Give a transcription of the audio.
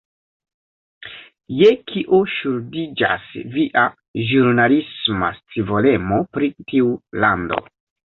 Je kio ŝuldiĝas via ĵurnalisma scivolemo pri tiu lando?